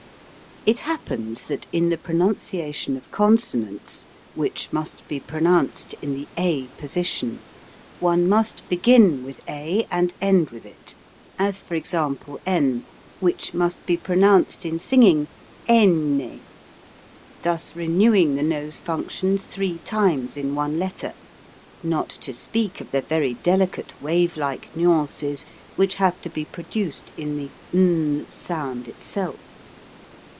It happens that in the pronunciation of consonants (which must be pronounced in the a position) one must begin with a and end with i 113 114 HOW TO SING it, as, for example, n which must be pro nounced in singing ana thus renewing the nose functions three times in one letter, not to speak of the very delicate wavelike nuances which have to be produced in the n sound itself.